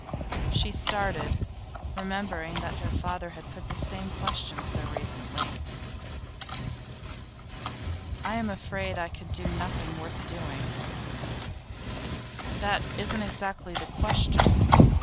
She started, remembering that her father had put the same question so recently. 'I'm afraid I could do nothing worth doing.' 'That isn't exactly the question.